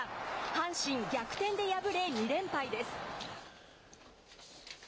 阪神、逆転で敗れ、２連敗です。